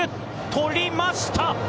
捕りました。